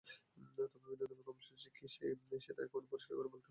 তবে ভিন্নধর্মী কর্মসূচি কী, সেটা এখনই পরিষ্কার করে বলতে রাজি হননি নীতিনির্ধারকেরা।